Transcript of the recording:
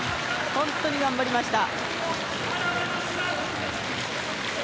本当に頑張りました。